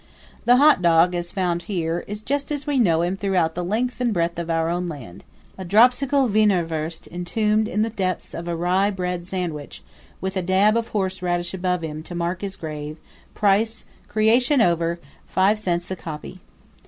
The hot dog, as found here, is just as we know him throughout the length and breadth of our own land a dropsical Wienerwurst entombed in the depths of a rye bread sandwich, with a dab of horse radish above him to mark his grave; price, creation over, five cents the copy.